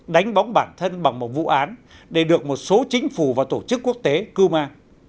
đánh bóng bản thân bằng một vụ án để được một số chính phủ và tổ chức quốc tế cư ma